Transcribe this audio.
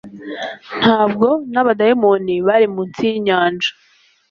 ntabwo n'abadayimoni bari munsi y'inyanja